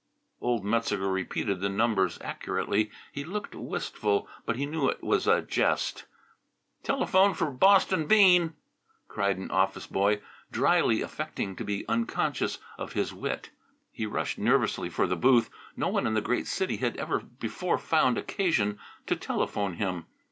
Old Metzeger repeated the numbers accurately. He looked wistful, but he knew it was a jest. "Telephone for Boston Bean!" cried an office boy, dryly affecting to be unconscious of his wit. He rushed nervously for the booth. No one in the great city had ever before found occasion to telephone him.